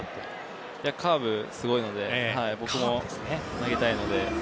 カーブ、すごいので僕も投げたいので。